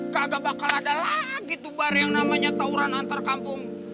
kagak bakal ada lagi tuh bar yang namanya tauran antar kampung